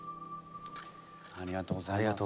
ありがとうございます。